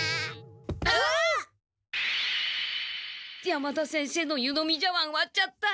山田先生の湯飲み茶わんわっちゃった。